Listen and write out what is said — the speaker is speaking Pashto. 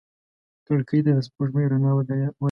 کړکۍ ته د سپوږمۍ رڼا ورېده.